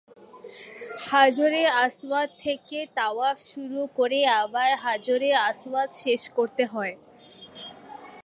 হাজরে আসওয়াদ থেকে তাওয়াফ শুরু করে আবার হাজরে আসওয়াদে শেষ করতে হয়।